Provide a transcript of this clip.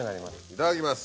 いただきます。